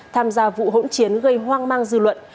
tham gia vụ hỗn chiến gây hoang mang dư luận